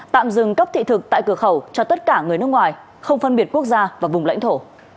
tạm dừng cấp thị thực tại cửa khẩu cho tất cả người nước ngoài không phân biệt quốc gia và vùng lãnh thổ